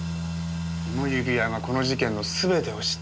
この指輪がこの事件の全てを知ってるんだよ。